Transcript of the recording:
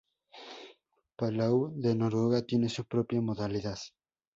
Palau de Noguera tiene su propia modalidad.